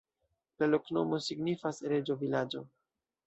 La loknomo signifas: reĝo-vilaĝo.